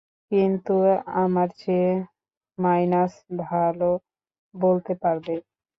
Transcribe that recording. কিন্তু আমার চেয়ে মাইনাস ভালো বলতে পারবে।